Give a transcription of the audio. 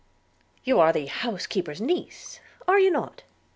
'You are the housekeeper's niece, are you not?'